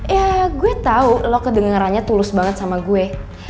ya gue tau lo kedengerannya tulus banget sama gue